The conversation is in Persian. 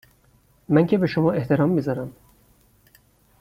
من که به شما احترام میذارم